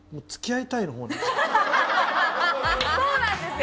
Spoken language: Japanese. そうなんですよ。